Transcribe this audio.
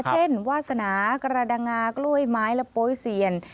วาสนากระดังงากล้วยไม้และโป๊ยเซียน